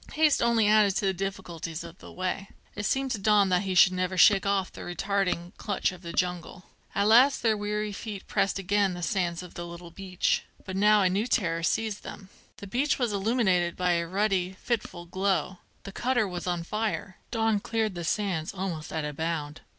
Haste only added to the difficulties of the way. It seemed to Don that he should never shake off the retarding clutch of the jungle. At last their weary feet pressed again the sands of the little beach. But now a new terror seized them. The beach was illuminated by a ruddy, fitful glow..The cutter was on fire! Don cleared the sands almost at a bound.